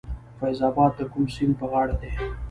فیض اباد د کوم سیند په غاړه دی؟